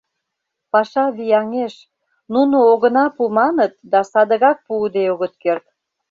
— Паша вияҥеш, нуно «огына пу» маныт, да садыгак пуыде огыт керт...